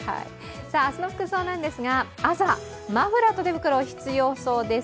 明日の服装なんですが朝マフラーと手袋、必要そうです。